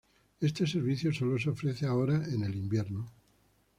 Este servicio sólo se ofrece ahora en el invierno.